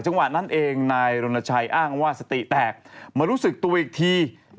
จังหวะนั้นเองนายรณชัยอ้างว่าสติแตกมารู้สึกตัวอีกที